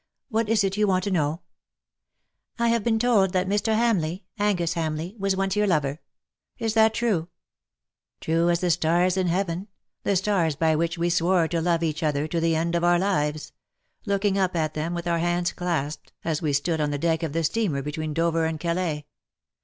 " What is it you want to know T' " I have been told that Mr. Hamleigh — Angus Hamleigh — was once your lover. Is that true ?""'' True as the stars in heaven — the stars by which we swore to love each other to the end of our lives — looking up at them, with our hands clasped, as we stood on the deck of the steamer ^^LOVE IS LOVE FOR EVERMORE." 285 between Dover and Calais.